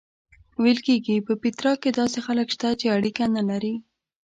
ویل کېږي په پیترا کې داسې خلک شته چې اړیکه نه لري.